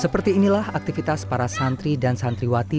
seperti inilah aktivitas para santri dan santriwati